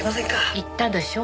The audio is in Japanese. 言ったでしょう。